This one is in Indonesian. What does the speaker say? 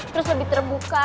terus lebih terbuka